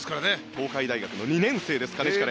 東海大学の２年生です金近廉。